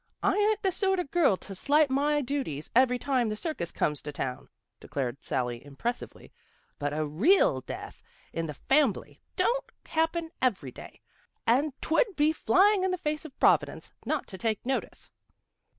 I ain't the sort o' girl to slight my duties every time the circus comes to town," declared Sally impressively, " but a reel death in the fambly don't happen every day, and 'twould be flying in the face of Providence not to take notice."